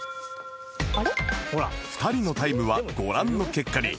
２人のタイムはご覧の結果に